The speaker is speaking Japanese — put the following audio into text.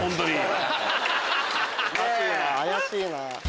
怪しいな。